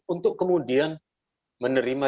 untuk kemudian menerima